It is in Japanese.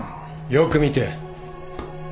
よく見て。